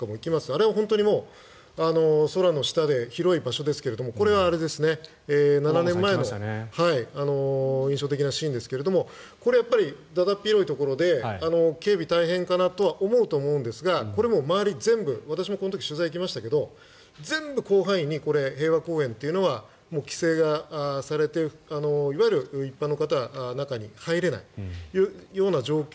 あれは本当に空の下で、広い場所ですけどもこれは７年前の印象的なシーンですがこれ、だだっ広いところで警備、大変かなとは思うと思うんですがこれ、周り全部私もこの時取材に行きましたが全部、広範囲に平和公園というのは規制がされていわゆる一般の方は中に入れないような状況